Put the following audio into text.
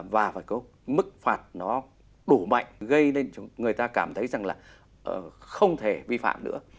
và phải có mức phạt nó đủ mạnh gây nên người ta cảm thấy rằng là không thể vi phạm nữa